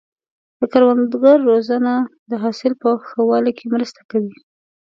د کروندګرو روزنه د حاصل په ښه والي کې مرسته کوي.